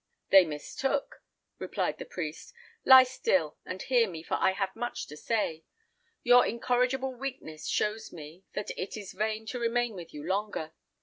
"They mistook," replied the priest. "Lie still, and hear me, for I have much to say. Your incorrigible weakness shows me, that it is vain to remain with you longer.